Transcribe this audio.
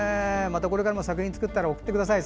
これからも作品作ったら送ってください。